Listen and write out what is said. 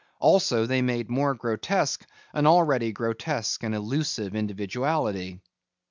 Also they made more grotesque an already grotesque and elusive individuality.